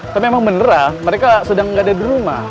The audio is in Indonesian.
tapi emang beneran mereka sedang gak ada di rumah